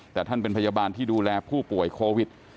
แต่ท่านเป็นพยาบาลที่ดูแลผู้ป่วยโควิด